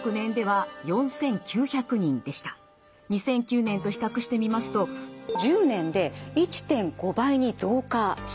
２００９年と比較してみますと１０年で１．５倍に増加しています。